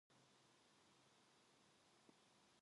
어젯밤 덕호와 아버지는 단단한 의논이 있었던 모양이다.